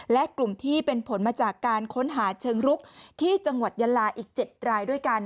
และกลุ่มที่เป็นผลมาจากการค้นหาเชิงรุกที่จังหวัดยาลาอีก๗รายด้วยกัน